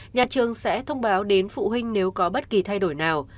nhà trường sẽ thông báo đến phụ huynh nếu có bất kỳ thay đổi nào